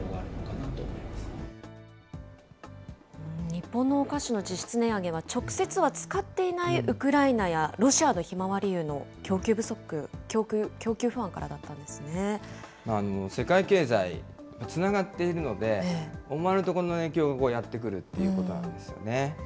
日本のお菓子の実質値上げは、直接は使っていないウクライナやロシアのひまわり油の供給不足、世界経済、つながっているので、思わぬところの影響がやってくるっていうことなんですよね。